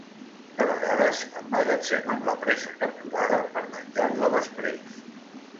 De vegades, emmagatzemen la presa capturada per menjar-la després.